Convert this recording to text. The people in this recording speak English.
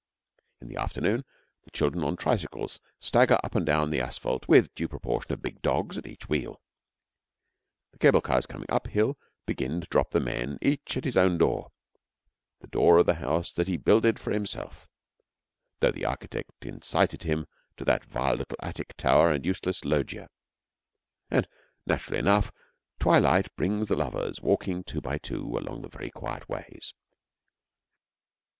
In the afternoon, the children on tricycles stagger up and down the asphalt with due proportion of big dogs at each wheel; the cable cars coming up hill begin to drop the men each at his own door the door of the house that he builded for himself (though the architect incited him to that vile little attic tower and useless loggia), and, naturally enough, twilight brings the lovers walking two by two along the very quiet ways.